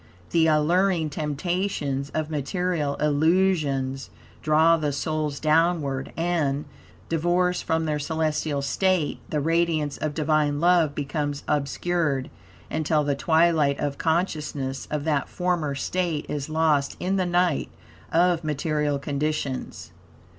The alluring temptations of material illusions draw the souls downward, and, divorced from their celestial state, the radiance of Divine love becomes obscured, until the twilight of consciousness of that former state is lost in the night of material conditions.